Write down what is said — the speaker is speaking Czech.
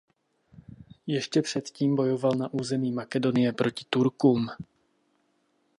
Ještě předtím bojoval na území Makedonie proti Turkům.